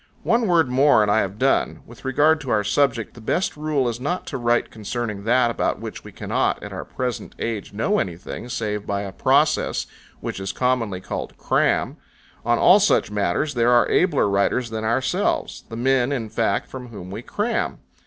One word more and I have done. With regard to our subject, the best rule is not to write concerning that about which we cannot at our present age know anything save by a process which is commonly called cram: on all such matters there are abler writers than ourselves; the men, in fact, from whom we cram.